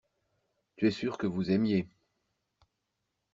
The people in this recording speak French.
Tu es sûr que vous aimiez.